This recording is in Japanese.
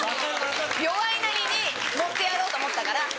弱いなりに盛ってやろうと思ったから。